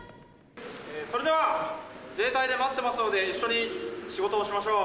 それでは自衛隊で待ってますので、一緒に仕事をしましょう。